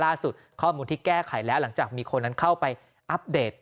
ข้อมูลที่แก้ไขแล้วหลังจากมีคนนั้นเข้าไปอัปเดต